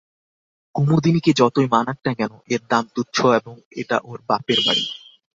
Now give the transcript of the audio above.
কুমুদিনীকে যতই মানাক না কেন, এর দাম তুচ্ছ এবং এটা ওর বাপের বাড়ির।